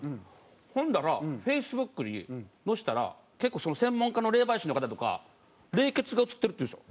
ほんだらＦａｃｅｂｏｏｋに載せたら結構専門家の霊媒師の方とか霊穴が写ってるって言うんですよ。